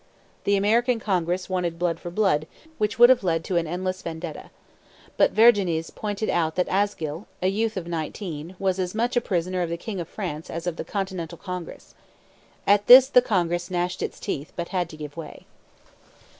The American Congress wanted blood for blood, which would have led to an endless vendetta. But Vergennes pointed out that Asgill, a youth of nineteen, was as much a prisoner of the king of France as of the Continental Congress. At this the Congress gnashed its teeth, but had to give way.